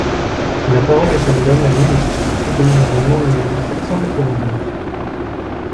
La parole est à Madame la ministre, pour soutenir l’amendement numéro sept cent quatre-vingt-douze.